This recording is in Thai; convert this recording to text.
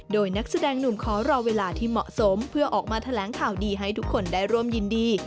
โดยนักแสดงหนุ่มขอรอเวลาที่เหมาะสมเพื่อออกมาแถลงข่าวดีให้ทุกคนได้ร่วมยินดี